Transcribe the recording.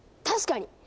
確かに！